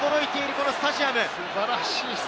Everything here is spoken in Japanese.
このスタジアム。